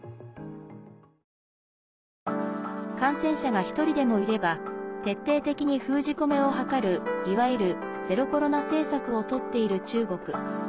感染者が一人でもいれば徹底的に封じ込めを図るいわゆるゼロコロナ政策をとっている中国。